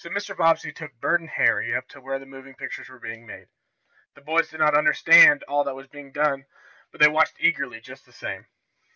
So Mr. Bobbsey took Bert and Harry up to where other moving pictures were being made. The boys did not understand all that was being done, but they watched eagerly just the same.